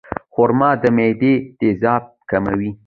خرما د معدې تیزابیت کموي.